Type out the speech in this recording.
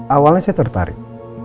awalnya saya tertarik